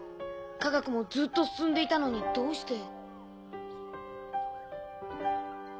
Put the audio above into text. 科学もずっと進んでいたのにどうして。